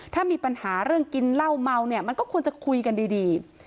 ถ้ามีปัญหาเรื่องกินเหล้าเมาเนี่ยมันก็ควรจะคุยกันดี